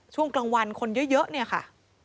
ช่วงกลางวันคนเยอะค่ะ